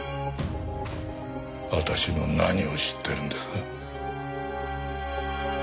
私の何を知ってるんです？